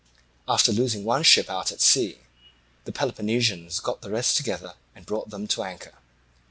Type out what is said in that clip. After losing one ship out at sea, the Peloponnesians got the rest together and brought them to anchor.